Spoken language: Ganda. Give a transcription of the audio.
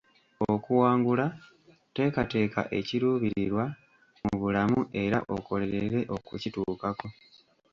Okuwangula, teekateeka ekiruubirirwa mu bulamu era okolerere okukituukako.